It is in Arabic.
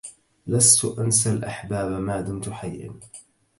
لست أنسى الأحباب ما دمت حيا